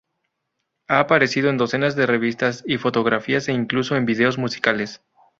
Ha aparecido en docenas de revistas y fotografías e incluso en videos musicales.